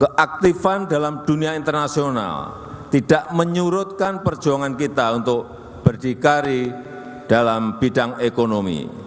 keaktifan dalam dunia internasional tidak menyurutkan perjuangan kita untuk berdikari dalam bidang ekonomi